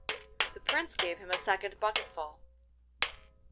The Prince gave him a second bucketful.